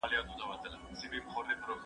زه سينه سپين نه کوم،